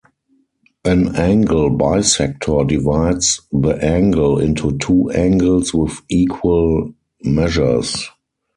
An angle bisector divides the angle into two angles with equal measures.